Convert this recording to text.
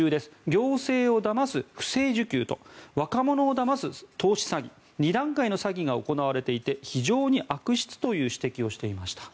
行政をだます不正受給と若者をだます投資詐欺と二段階で行われていて非常に悪質という指摘をしていました。